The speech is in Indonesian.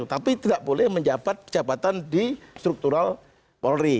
tapi tidak boleh menjabat jabatan di struktural polri